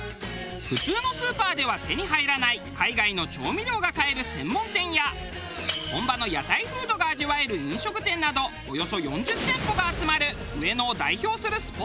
普通のスーパーでは手に入らない海外の調味料が買える専門店や本場の屋台フードが味わえる飲食店などおよそ４０店舗が集まる。